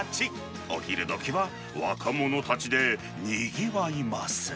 お昼時は若者たちでにぎわいます。